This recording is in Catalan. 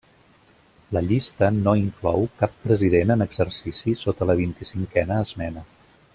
La llista no inclou cap president en exercici sota la vint-i-cinquena esmena.